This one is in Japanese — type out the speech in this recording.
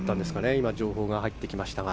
今、情報が入ってきましたが。